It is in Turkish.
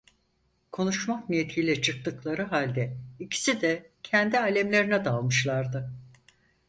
Konuşmak niyetiyle çıktıkları halde ikisi de kendi âlemlerine dalmışlardı.